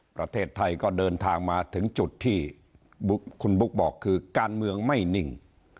ประเทศไทยก็เดินทางมาถึงจุดที่คุณบุ๊คบอกคือการเมืองไม่นิ่ง